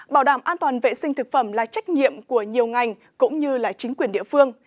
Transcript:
bảo đảm an toàn vệ sinh thực phẩm là trách nhiệm của nhiều ngành cũng như chính quyền địa phương